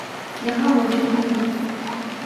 یہاں موجود نہیں۔